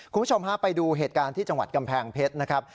คุณผู้ชมฮะไปดูเหตุการณ์ที่จังหวัดกำแพงเพชรนะครับ